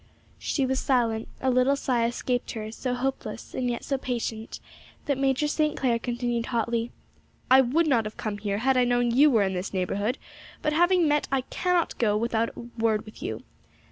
She was silent; a little sigh escaped her, so hopeless and yet so patient, that Major St. Clair continued hotly, 'I would not have come here, had I known you were in this neighbourhood; but having met I cannot go without a word with you.